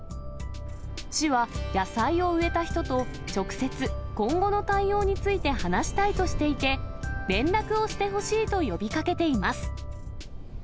市は、野菜を植えた人と直接、今後の対応について話したいとしていて、連絡をしてほしいと呼びかけています。